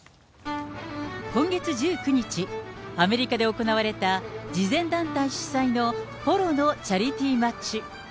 今月１９日、アメリカで行われた、慈善団体主催のポロのチャリティーマッチ。